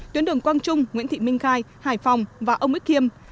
tuyến đường quang trung nguyễn thị minh khai hải phòng và ông úc kiêm